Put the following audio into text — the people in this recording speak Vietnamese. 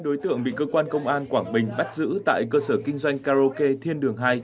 bốn mươi hai đối tượng bị cơ quan công an quảng bình bắt giữ tại cơ sở kinh doanh karaoke thiên đường hai